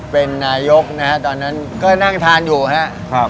เป็นนายกของตอนนั้นนั่งทานอยู่นะฮะ